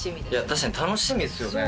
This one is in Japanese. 確かに楽しみですよね